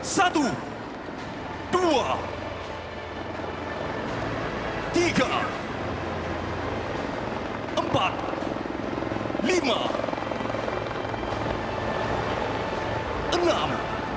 satu dua tiga empat lima enam